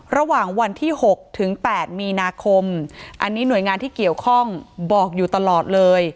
ระหว่างวันที่๖ถึง๘มีนาคมอันนี้หน่วยงานที่เกี่ยวข้องบอกอยู่ตลอดเลย